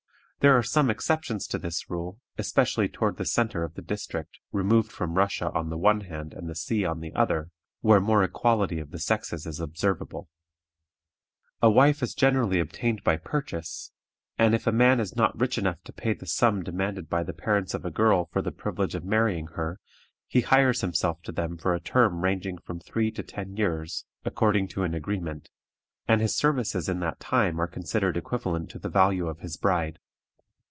There are some exceptions to this rule, especially toward the centre of the district, removed from Russia on the one hand and the sea on the other, where more equality of the sexes is observable. A wife is generally obtained by purchase, and if a man is not rich enough to pay the sum demanded by the parents of a girl for the privilege of marrying her, he hires himself to them for a term ranging from three to ten years, according to an agreement, and his services in that time are considered equivalent to the value of his bride.